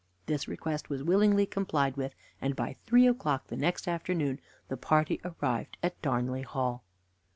This request was willingly complied with, and by three o'clock the next afternoon the party arrived at Darnley Hall.